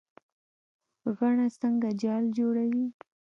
غڼه څنګه جال جوړوي؟